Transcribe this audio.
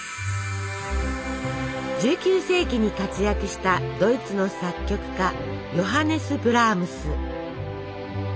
１９世紀に活躍したドイツの作曲家ヨハネス・ブラームス。